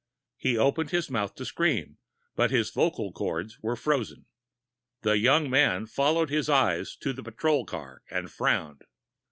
He opened his mouth to scream, but his vocal cords were frozen. The young man followed his eyes to the patrol car, and frowned.